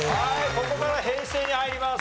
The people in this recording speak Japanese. ここから平成に入ります。